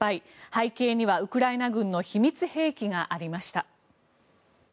背景にはウクライナ軍の秘密兵器がありました。